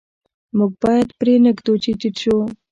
موږ باید پرې نه ږدو چې ټیټ شو.